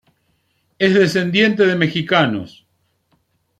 Es descendiente de mexicanos.